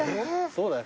そうだよ。